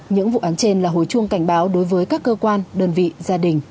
những vụ án trên là hồi chuông cảnh báo đối với các cơ quan đơn vị gia đình